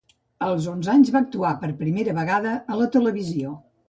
Als onze anys, va actuar per primera vegada a la televisió.